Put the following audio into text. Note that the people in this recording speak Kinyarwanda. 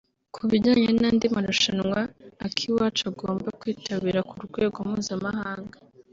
Ku bijyanye n’andi marushanwa Akiwacu agomba kwitabira ku rwego mpuzamahanga